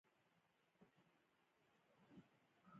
په ټول افغانستان کې داسې څوک پیدا نه شو چې د وزارت مستحق شي.